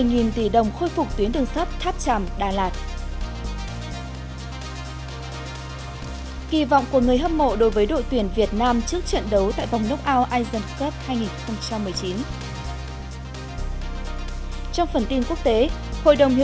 hãy đăng ký kênh để ủng hộ kênh của chúng mình nhé